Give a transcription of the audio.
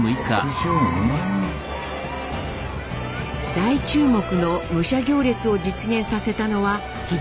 大注目の武者行列を実現させたのは英明さん。